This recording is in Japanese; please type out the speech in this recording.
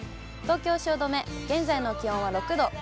東京・汐留、現在の気温は６度。